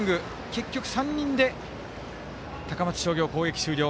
結局３人で高松商業、攻撃終了。